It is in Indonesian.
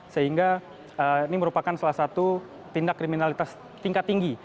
sehingga ini merupakan salah satu tindak kriminalitas tingkat tinggi